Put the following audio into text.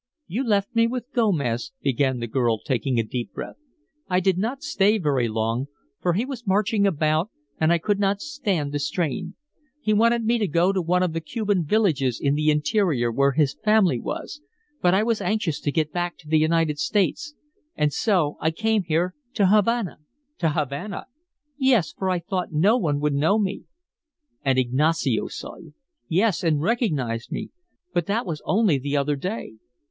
"You left me with Gomez," began the girl, taking a deep breath. "I did not stay very long, for he was marching about, and I could not stand the strain. He wanted me to go to one of the Cuban villages in the interior where his family was; but I was anxious to get back to the United States. And so I came here to Havana " "To Havana!" "Yes, for I thought no one would know me." "And Ignacio saw you?" "Yes, and recognized me. But that was only the other day."